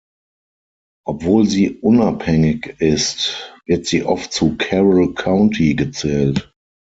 Obwohl sie unabhängig ist, wird sie oft zu Carroll County gezählt.